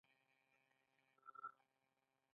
د توکو غوښتونکي د توکو له حجم کم دي